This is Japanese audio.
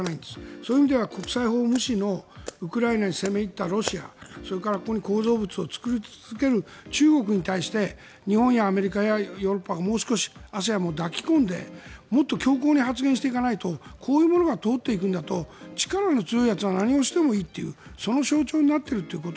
そういう意味では国際法無視のウクライナに攻め入ったロシアそれから構造物を作り続ける中国に対して日本やアメリカやヨーロッパがもう少しＡＳＥＡＮも抱き込んでもっと強硬に発言していかないとこういうものが通っていくんだと力の強いやつは何をしてもいいというその象徴になっているという。